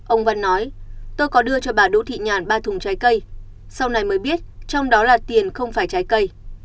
ông văn nói tôi có đưa cho bà đỗ thị nhàn ba thùng trái cây sau này mới biết trong đó là tiền không phải trái cây